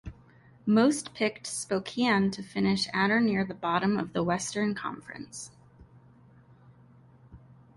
Most picked Spokane to finish at or near the bottom of the Western Conference.